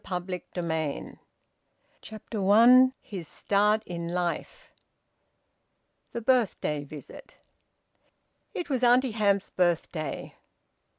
VOLUME FOUR, CHAPTER ONE. BOOK FOUR HIS START IN LIFE. THE BIRTHDAY VISIT. It was Auntie Hamps's birthday.